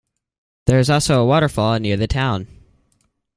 There is also a waterfall near the town.